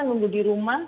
nunggu di rumah